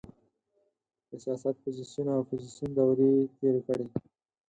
د سیاست پوزیسیون او اپوزیسیون دورې یې تېرې کړې.